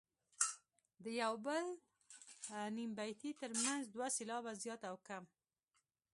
د یو او بل نیم بیتي ترمنځ دوه سېلابه زیات او کم.